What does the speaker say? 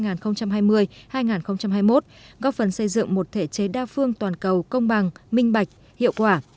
góp phần xây dựng một thể chế đa phương toàn cầu công bằng minh bạch hiệu quả